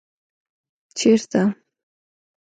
ـ چېرته؟